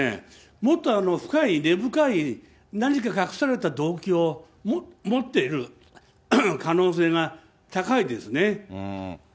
もっと深い、根深い、何か隠された動機を持っている可能性が高いですね。